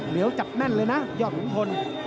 เหลวจับแม่นเลยนะยอดหุงพล